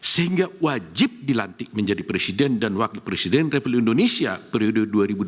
sehingga wajib dilantik menjadi presiden dan wakil presiden republik indonesia periode dua ribu dua puluh empat dua ribu dua puluh sembilan